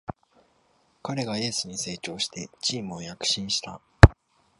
彼がエースに成長してチームは躍進した